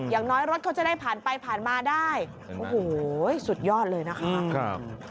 อย่างน้อยรถเขาจะได้ผ่านไปผ่านมาได้โอ้โหสุดยอดเลยนะคะ